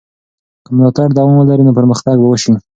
که ملاتړ دوام ولري نو پرمختګ به وسي.